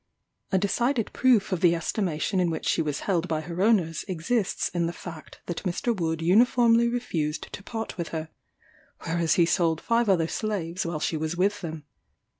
A decided proof of the estimation in which she was held by her owners exists in the fact that Mr. Wood uniformly refused to part with her, whereas he sold five other slaves while she was with them.